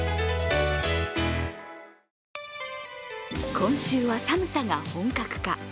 今週は寒さが本格化。